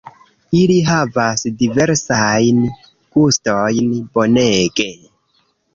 Ili havas diversajn gustojn, bonege